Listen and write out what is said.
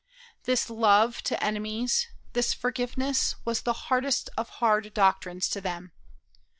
This love to enemies, this forgiveness, was the hardest of hard doctrines to them.